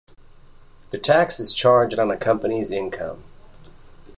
The tax is charged on a company's income.